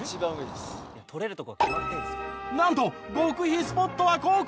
なんと極秘スポットはここ。